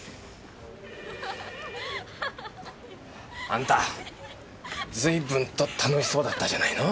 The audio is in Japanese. あんた随分と楽しそうだったじゃないの。